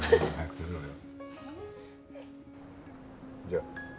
じゃあ。